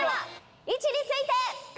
位置について！